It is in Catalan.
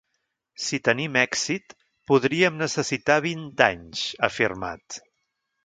Si tenim èxit, podríem necessitar vint anys, ha afirmat.